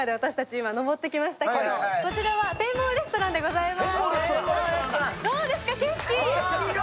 今、上ってきましたけれどもこちらは展望レストランでございます。